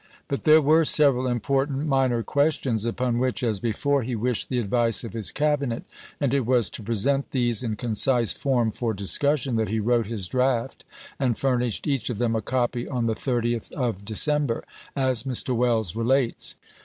But there were several important minor questions upon which, as before, he wished the advice of his Cabinet, and it was to present these in concise form for discussion that he wrote his draft and furnished each of them a copy on the 1862. 30th of December, as Mr. Welles relates.